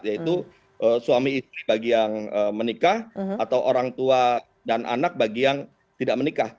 yaitu suami istri bagi yang menikah atau orang tua dan anak bagi yang tidak menikah